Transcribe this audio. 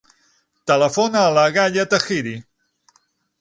Telefona a la Gaia Tahiri.